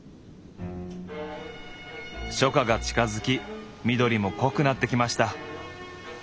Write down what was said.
初夏が近づき緑も濃くなってきました。